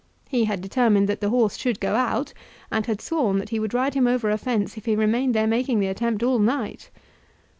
He had determined that the horse should go out, and had sworn that he would ride him over a fence if he remained there making the attempt all night.